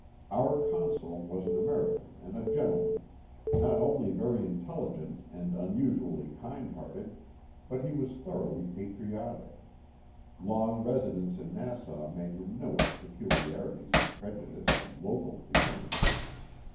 Our Consul was an American and a gentle man. Not only very intelligent and unusually kind hearted, but he was thoroughly patriotic ; long residence in Nassau made him know its peculiarities of prejudice and local feeling.